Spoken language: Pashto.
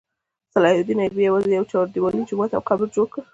صلاح الدین ایوبي یوازې یوه چاردیوالي، جومات او قبر جوړ کړ.